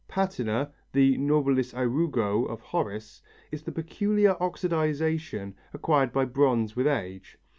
Patina, the nobilis ærugo of Horace, is the peculiar oxidization acquired by bronze with age.